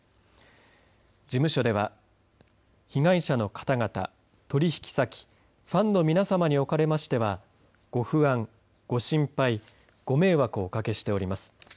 事務所では被害者の方々、取引先ファンの皆さまにおかれましてはご不安、ご心配ご迷惑をおかけしております。